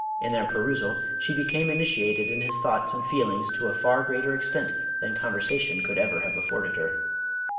In their perusal, she became initiated in his thoughts and feelings to a far greater extent than conversation could ever have afforded her.